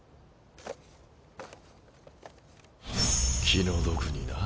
気の毒にな。